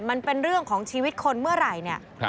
มันเป็นเรื่องของชีวิตคนเมื่อไหร่เนี่ย